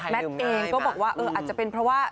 เองก็บอกว่าอาจจะเป็นเพราะว่า